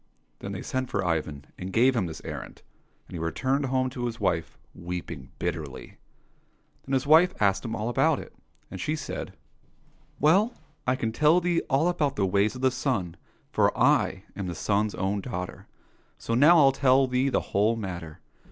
— Then they sent for Ivan, and gave him this errand, and he returned home to his wife, weeping bitterly. Then his wife asked him all about it, and said, " Well, I can tell thee all about the ways of the sun, for I am the sun's own daughter. So now I'll tell thee the whole matter.